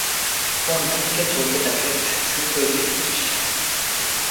অন্য দিকে চলতে থাকে ভ্যাকসিন তৈরির প্রচেষ্টা।